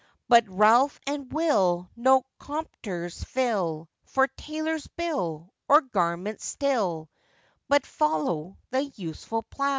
But Ralph and Will no compters fill For tailor's bill, or garments still, But follow the useful plow.